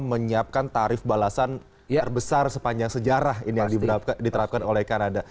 menyiapkan tarif balasan terbesar sepanjang sejarah ini yang diterapkan oleh kanada